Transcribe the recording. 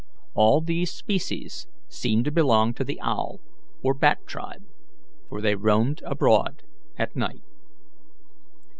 All these species seemed to belong to the owl or bat tribe, for they roamed abroad at night.